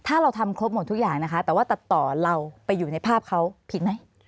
ถ้าเราทำครบหมดทุกอย่างนะคะแต่ว่าตัดต่อเราไปอยู่ในภาพเขาผิดไหม